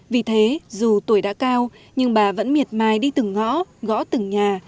vì thế dù tuổi đã cao nhưng bà vẫn miệt mài đi từng ngõ gõ từng nhà